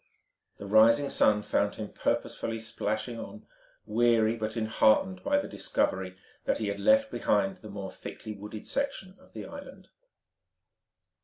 The rising sun found him purposefully splashing on, weary but enheartened by the discovery that he had left behind the more thickly wooded section of the island.